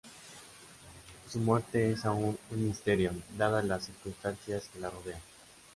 Su muerte es aún un misterio, dadas las circunstancias que la rodean.